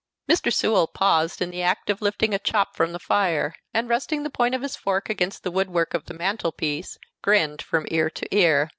Mr. Sewell paused in the act of lifting a chop from the fire, and, resting the point of his fork against the woodwork of the mantel piece, grinned from ear to ear.